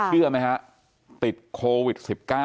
เชื่อไหมฮะติดโควิด๑๙